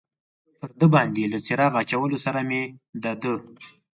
پر ده باندې له څراغ اچولو سره مې د ده.